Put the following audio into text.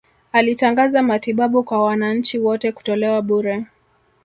Alitangaza matibabu kwa wananchi wote kutolewa bure